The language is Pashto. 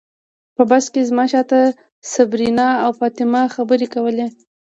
په بس کې زما شاته صبرینا او فاطمه خبرې کولې.